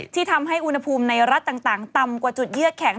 ที่ทำให้อุณหภูมิในรัฐต่างต่ำกว่าจุดเยื่อแข็ง